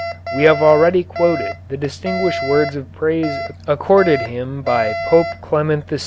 We have already quoted the distinguished words of praise accorded him by Pope Clement VI.